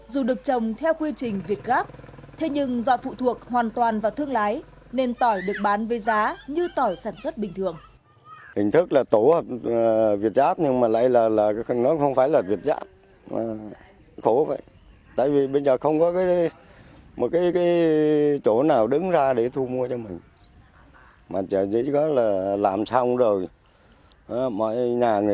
dù được trồng theo quy trình việt ráp thế nhưng do phụ thuộc hoàn toàn vào thương lái nên tỏi được bán với giá như tỏi sản xuất bình thường